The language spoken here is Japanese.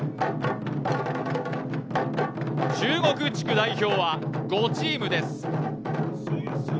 中国代表は５チームです。